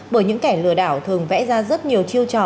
bởi những kẻ lừa đảo thường vẽ ra rất nhiều chiêu trò